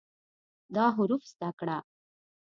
دا حروف زده کړه